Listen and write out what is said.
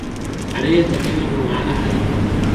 علي التكلم مع أحد.